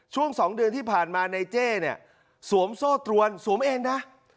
ช่วง๒เดือนที่ผ่านมาในเจ้เนี่ยสวมโซ่ตรวนสวมเองนะ